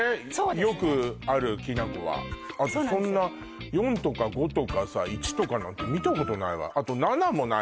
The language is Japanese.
よくあるきな粉はあとそんな４とか５とかさ１とかなんて見たことないわあと７もないね